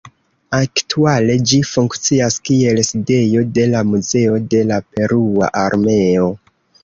Aktuale ĝi funkcias kiel sidejo de la Muzeo de la Perua Armeo.